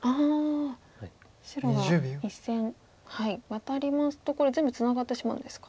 白が１線ワタりますとこれ全部ツナがってしまうんですか。